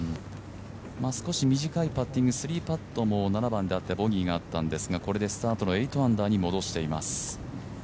少し短いパッティング３パットも７番であって、ボギーもあったんですが、これでスタートの８アンダーに戻しています。